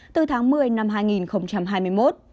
từ tháng một mươi năm hai nghìn hai mươi một